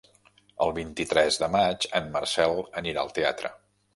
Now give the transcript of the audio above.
El vint-i-tres de maig en Marcel anirà al teatre.